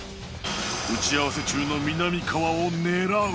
打ち合わせ中のみなみかわを狙う・